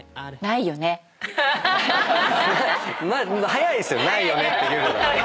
早いですよ「ないよね」って言うのが。